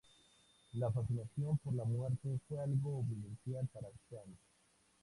La fascinación por la muerte fue algo vivencial para Sáenz.